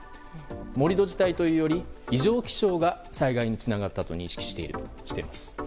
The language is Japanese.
盛り土自体というより異常気象が災害につながったと認識しているとしています。